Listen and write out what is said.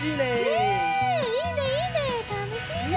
ねえいいねいいねたのしいね。